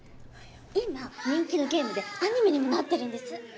今人気のゲームでアニメにもなってるんです。